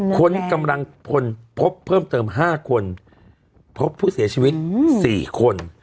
ค้นกำลังพลพบเพิ่มเติม๕คนพบผู้เสียชีวิต๔คน